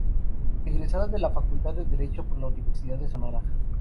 Egresada de la Facultad de Derecho por la Universidad de Sonora.